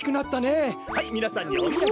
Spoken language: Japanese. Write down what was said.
はいみなさんにおみやげ。